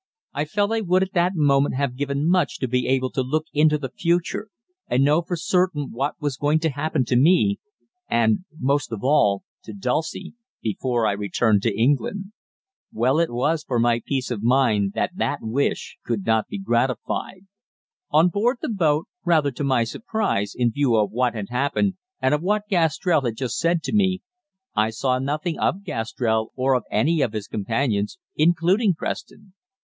I felt I would at that moment have given much to be able to look into the future and know for certain what was going to happen to me, and, most of all, to Dulcie, before I returned to England. Well it was for my peace of mind that that wish could not be gratified. On board the boat, rather to my surprise in view of what had happened and of what Gastrell had just said to me, I saw nothing of Gastrell or of any of his companions, including Preston.